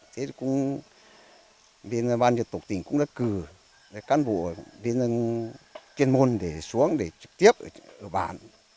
thế cũng bên ban dân tộc tỉnh cũng đã cử cán bộ bên dân chuyên môn để xuống để trực tiếp ở bản